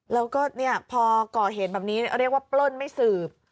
แล้วก็พอก่อเหตุแบบนี้เรียกว่าปล้นไม่สืบ